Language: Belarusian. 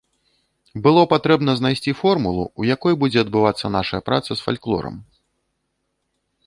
Было патрэбна знайсці формулу, у якой будзе адбывацца нашая праца з фальклорам.